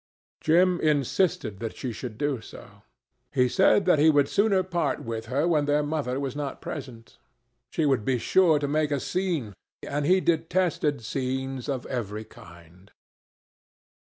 Jim insisted that she should do so. He said that he would sooner part with her when their mother was not present. She would be sure to make a scene, and he detested scenes of every kind.